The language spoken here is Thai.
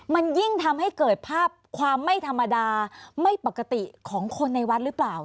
มันยิ่งทำให้เกิดภาพความไม่ธรรมดาไม่ปกติของคนในวัดหรือเปล่า